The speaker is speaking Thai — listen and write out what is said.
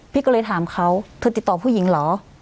พี่ก็เลยถามเขาเธอติดต่อผู้หญิงเหรอ